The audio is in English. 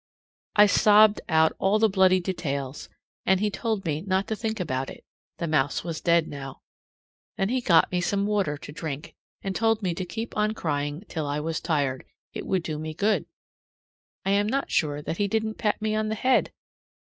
I sobbed out all the bloody details, and he told me not to think about it; the mouse was dead now. Then he got me some water to drink, and told me to keep on crying till I was tired; it would do me good. I am not sure that he didn't pat me on the head!